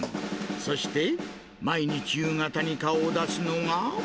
そして、毎日夕方に顔を出すのが。